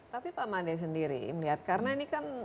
tapi pak made sendiri melihat karena ini kan